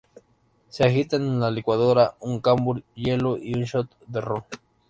Se agita en la licuadora un cambur, hielo y un shot de ron.